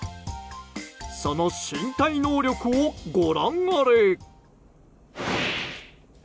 その身体能力をご覧あれ。